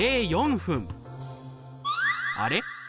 あれ？